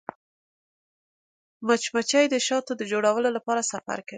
مچمچۍ د شاتو د جوړولو لپاره سفر کوي